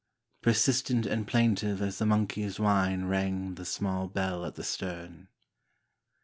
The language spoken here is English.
Persistent and plaintive as the monkey's whine rang the small bell at the stern.